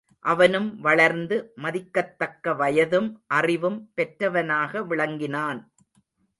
அவனும் வளர்ந்து மதிக்கத்தக்க வயதும் அறிவும் பெற்றவனாக விளங்கினான்.